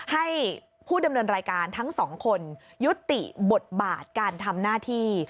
ให้ผู้ดำเนินรายการทั้งสองคนยุติบทบาทการทำหน้าที่